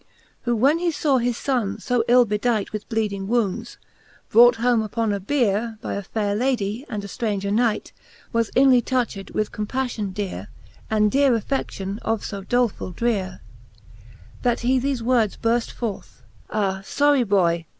Who when he ^w his fbnne fo ill bedight, With bleeding wounds, brought home upon a beare, By a faire Lady, and a ftraunger Knight, Was inly touched with compaflion deare. And deare affe(9:ion of {b dolefull dreare. That he thefe words burft forth; Ah fbry boy!